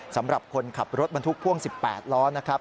สำหรับคนขับรถบรรทุกพ่วง๑๘ล้อนะครับ